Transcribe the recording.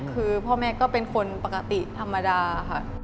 คือพ่อแม่ก็เป็นคนปกติธรรมดาค่ะ